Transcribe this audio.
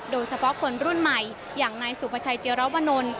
โดยเฉพาะคนรุ่นใหม่อย่างนายสุภัชัยเจราะวะนล